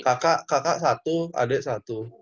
kakak kakak satu adik satu